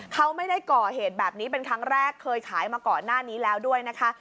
เขาไม่ได้ก่อเหตุแบบนี้เป็นครั้งแรกเคยขายมาก่อนหน้านี้แล้วด้วยนะคะ